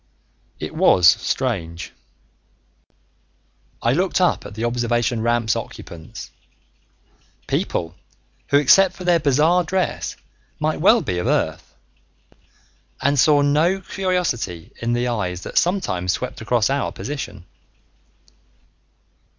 It was strange. I looked up at the observation ramp's occupants people who except for their bizarre dress might well be of Earth and saw no curiosity in the eyes that sometimes swept across our position.